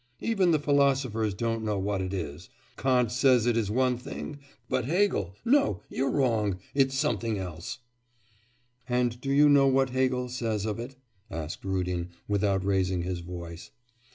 Even the philosophers don't know what it is. Kant says it is one thing; but Hegel no, you're wrong, it's something else.' 'And do you know what Hegel says of it?' asked Rudin, without raising his voice.